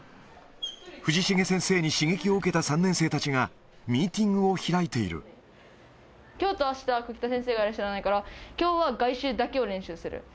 藤重先生に刺激を受けた３年生たちが、きょうとあした、久木田先生がいらっしゃらないから、きょうは外周だけを練習する。